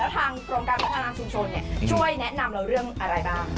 ทางกรมการพัฒนาชุมชนช่วยแนะนำเราเรื่องอะไรบ้าง